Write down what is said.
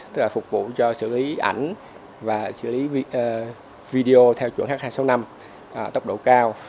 tức là phục vụ cho xử lý ảnh và xử lý video theo chuẩn h hai trăm sáu mươi năm tốc độ cao